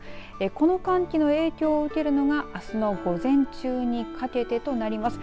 この寒気の影響を受けるのがあすの午前中にかけてとなります。